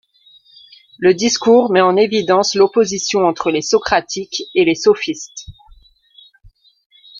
Le discours met en évidence l'opposition entre les socratiques et les sophistes.